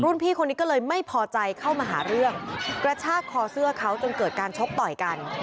พี่คนนี้ก็เลยไม่พอใจเข้ามาหาเรื่องกระชากคอเสื้อเขาจนเกิดการชกต่อยกัน